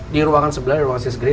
di ruangan sebelah di ruangan sis grace